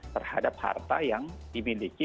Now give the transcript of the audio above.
terhadap harta yang dimiliki